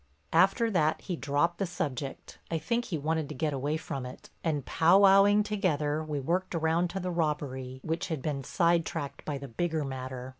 After that he dropped the subject—I think he wanted to get away from it—and pow wowing together we worked around to the robbery, which had been side tracked by the bigger matter.